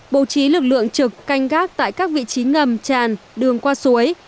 bố trí lực lượng trực canh gác tại các vị trí ngầm tràn đường qua suối